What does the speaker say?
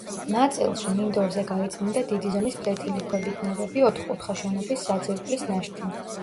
ნაწილში, მინდორზე გაიწმინდა დიდი ზომის ფლეთილი ქვებით ნაგები ოთხკუთხა შენობის საძირკვლის ნაშთი.